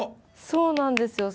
そうなんですよ。